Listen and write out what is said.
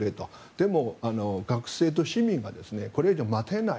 でも学生と市民がこれ以上待てない。